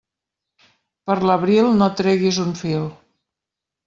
Per l'abril, no et treguis un fil.